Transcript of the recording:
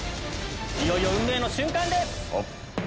いよいよ運命の瞬間です！